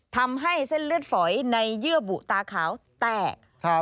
ทำให้เส้นเลือดฝอยในเยื่อบุตาขาวแตก